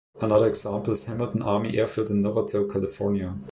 Another example is Hamilton Army Airfield in Novato, California.